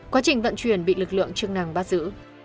quá trình vận chuyển bị lực lượng chức năng bắt giữ